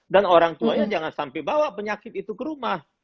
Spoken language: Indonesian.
dan orang tuanya jangan sampai bawa penyakit itu ke rumah